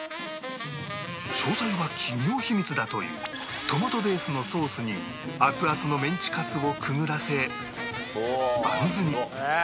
詳細は企業秘密だというトマトベースのソースにアツアツのメンチカツをくぐらせバンズに